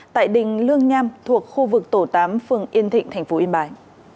tại đình lương nham thuộc khu vực tổ tám phường yên thịnh tp yên bái